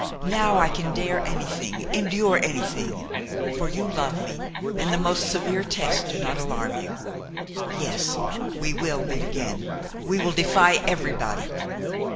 Now I can dare anything, endure anything; for you love me, and the most severe tests do not alarm you. Yes, we will meet again–we will defy everybody.